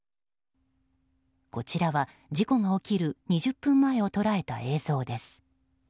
こちらは、事故が起きる２０分前を捉えた映像です。